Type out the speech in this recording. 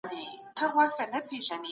انتقادي فکر څنګه د ستونزو پېژندنه ښه کوي؟